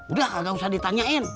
udah kagak usah ditanyain